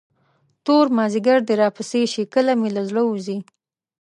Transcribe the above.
تور مازدیګر دې راپسې شي، که مې له زړه وځې.